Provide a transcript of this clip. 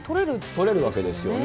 とれるわけですよね。